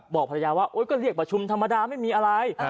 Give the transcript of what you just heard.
บอกภรรยาว่าก็เรียกประชุมธรรมดาไม่มีอะไร